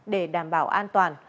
để đảm bảo an toàn